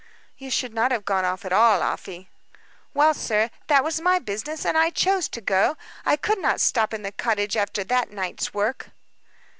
"You should not have gone off at all, Afy." "Well, sir, that was my business, and I chose to go. I could not stop in the cottage after that night's work."